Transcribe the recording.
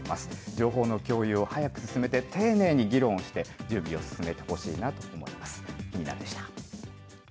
情報の共有を早く進めて、丁寧に議論をして、準備を進めてほしいなと思います。